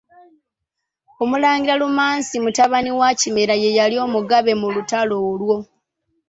Omulangira Lumansi mutabani wa Kimera ye yali omugabe mu lutalo olwo.